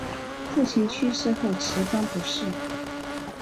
父亲去世后辞官不仕。